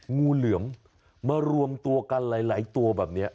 งูเหลือมมารวมตัวกันหลายตัวแบบนี้